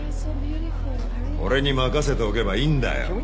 俺に任せておけばいいんだよ。